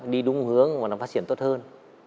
đi đúng hướng và nó phát triển tốt hơn